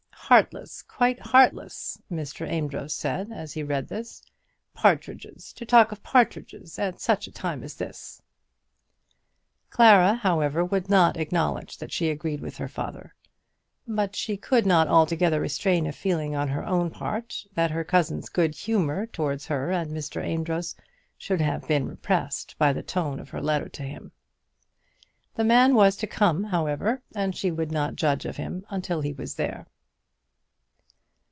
"Heartless! quite heartless!" Mr. Amedroz said as he read this. "Partridges! to talk of partridges at such a time as this!" Clara, however, would not acknowledge that she agreed with her father; but she could not altogether restrain a feeling on her own part that her cousin's good humour towards her and Mr. Amedroz should have been repressed by the tone of her letter to him. The man was to come, however, and she would not judge of him until he was there.